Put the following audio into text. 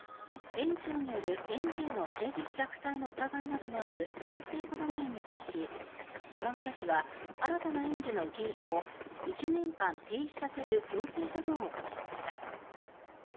園長による園児への性的虐待の疑いなどのある認定こども園に対し山形市は新たな園児の受け入れを１年間停止させる行政処分を行いました。